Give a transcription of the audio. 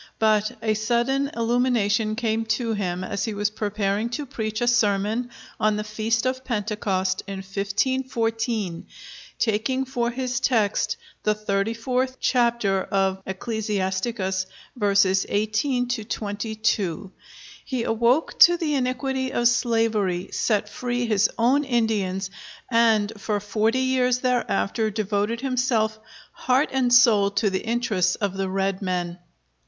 But a sudden illumination came to him as he was preparing to preach a sermon on the Feast of Pentecost, in 1514, taking for his text the 34th chapter of Ecclesiasticus, verses 18 to 22. He awoke to the iniquity of slavery, set free his own Indians, and for forty years thereafter devoted himself heart and soul to the interests of the red men.